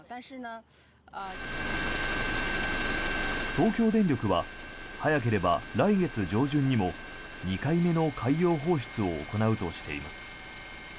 東京電力は早ければ来月上旬にも２回目の海洋放出を行うとしています。